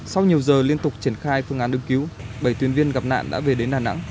sau nhiều giờ liên tục triển khai phương án ứng cứu bảy tuyến viên gặp nạn đã về đến đà nẵng